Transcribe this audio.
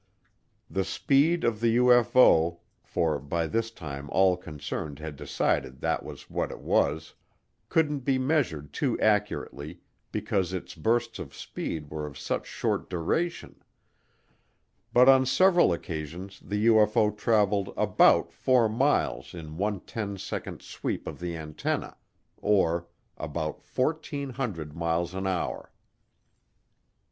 The speed of the UFO for by this time all concerned had decided that was what it was couldn't be measured too accurately because its bursts of speed were of such short duration; but on several occasions the UFO traveled about 4 miles in one ten second sweep of the antenna, or about 1,400 miles an hour.